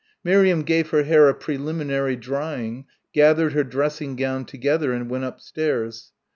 Miriam gave her hair a preliminary drying, gathered her dressing gown together and went upstairs.